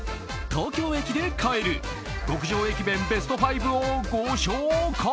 東京駅で買える極上駅弁ベスト５をご紹介！